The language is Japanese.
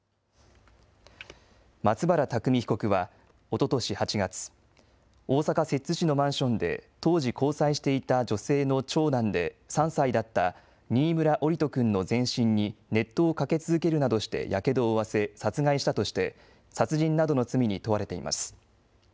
松原拓海被告はおととし８月大阪、摂津市のマンションで当時交際していた女性の長男で３歳だった新村桜利斗君の全身に熱湯をかけ続けるなどしてやけどを負わせ殺害したとして殺人などの罪に問われています。